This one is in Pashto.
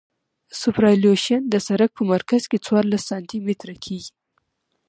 سوپرایلیویشن د سرک په مرکز کې څوارلس سانتي متره کیږي